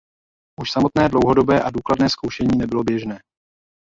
Už samotné dlouhodobé a důkladné zkoušení nebylo běžné.